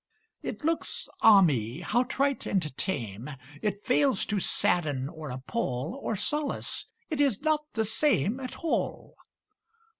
It looks, ah me! how trite and tame; It fails to sadden or appall Or solace it is not the same At all.